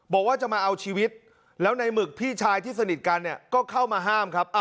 บอกว่าจะมาเอาชีวิตแล้วในหมึกพี่ชายที่สนิทกันเนี่ยก็เข้ามาห้ามครับ